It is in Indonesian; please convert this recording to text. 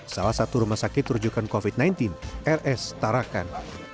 salah satu rumah sakit rujukan covid sembilan belas rs tarakan